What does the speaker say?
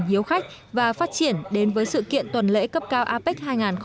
hiếu khách và phát triển đến với sự kiện tuần lễ cấp cao apec hai nghìn một mươi bảy